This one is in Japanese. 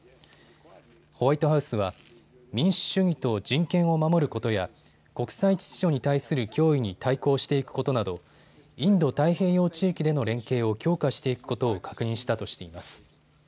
ホワイトハウスは民主主義と人権を守ることや国際秩序に対する脅威に対抗していくことなどインド太平洋地域での連携を強化していくことを確認したとしています。